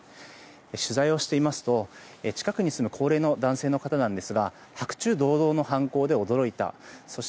取材をしていますと近くに住む高齢の男性の方は白昼堂々の犯行で驚いた。